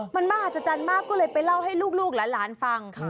มันบ้าจัดจันมากก็เลยไปเล่าให้ลูกและหลานฟัง